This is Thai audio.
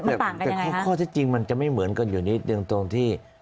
มันต่างกันยังไงฮะแต่ข้อที่จริงมันจะไม่เหมือนกันอยู่นิดนึงตรงที่